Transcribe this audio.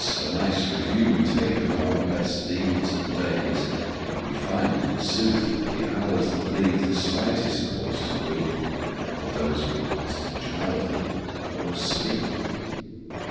a nice review we takeOf our best deeds and days, we find, in sooth, The hours that leave the slightest cause to weepAre those we passed in childhood or asleep!